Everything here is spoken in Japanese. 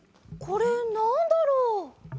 これなんだろう？